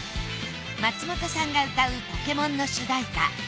松本さんが歌う「ポケモン」の主題歌